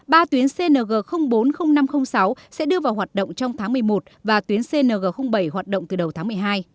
ba tuyến cng bốn năm trăm linh sáu sẽ đưa vào hoạt động trong tháng một mươi một và tuyến cng bảy hoạt động từ đầu tháng một mươi hai